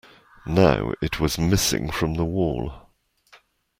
Now it was missing from the wall.